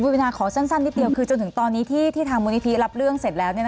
วินาขอสั้นนิดเดียวคือจนถึงตอนนี้ที่ทางมูลนิธิรับเรื่องเสร็จแล้ว